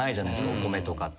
お米とかって。